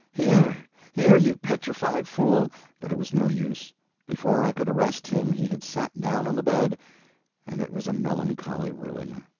Here, here, you petrified fool " But it was no use. Before I could arrest him he had sat down on the bed, and it was a melancholy ruin.